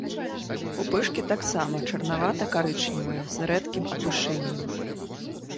Пупышкі таксама чырванавата-карычневыя, з рэдкім апушэннем.